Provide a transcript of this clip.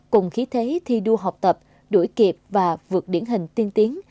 cùng khí thế thi đua học tập đuổi kịp và vượt điển hình tiên tiến